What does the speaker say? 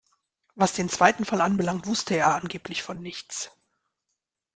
Was den zweiten Fall anbelangt, wusste er angeblich von nichts.